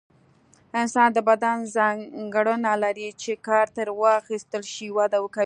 انسان د بدن ځانګړنه لري چې کار ترې واخیستل شي وده کوي.